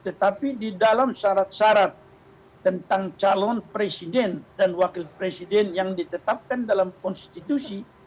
tetapi di dalam syarat syarat tentang calon presiden dan wakil presiden yang ditetapkan dalam konstitusi